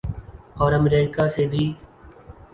اورامریکہ سے بھی۔